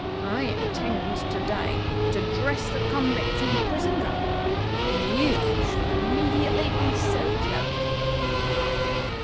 I intended to day to dress the convicts in prison garb, and you shall immediately be so clothed."